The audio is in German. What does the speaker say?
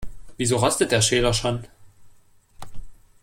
Wieso rostet der Schäler schon?